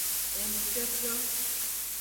Enufiofio.